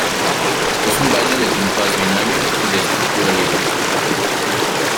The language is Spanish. Es un baile de compás binario, y de estructura libre.